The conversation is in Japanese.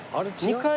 ２階。